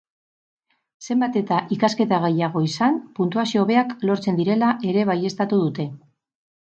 Zenbat eta ikasketa gehiago izan puntuazio hobeak lortzen direla ere baieztatu dute.